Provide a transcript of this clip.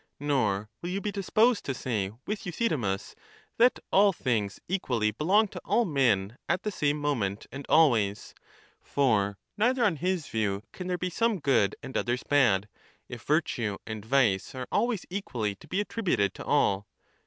Nor will you be disposed to say with Euthydemus, that all things equally belong to all men at the same moment and always ; for neither on his view can there be some good and others bad, if virtue and vice are always equally to be attributed to all.